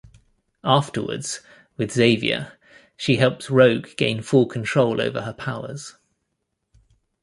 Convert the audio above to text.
Afterwards, with Xavier, she helps Rogue gain full control over her powers.